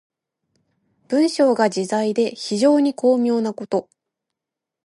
文章が自在で非常に巧妙なこと。